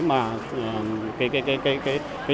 mà cái cái cái cái cái